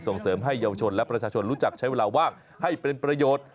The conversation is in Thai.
ส่งเสริมให้เยาวชนและประชาชนรู้จักใช้เวลาว่างให้เป็นประโยชน์